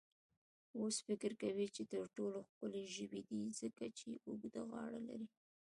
اوښ فکر کوي چې تر ټولو ښکلی ژوی دی، ځکه چې اوږده غاړه لري.